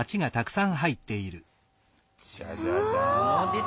ジャジャジャーン。